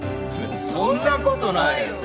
そんなことないよ。